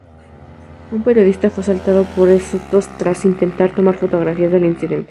Un periodista fue asaltado por estos tras intentar tomar fotografías del incidente.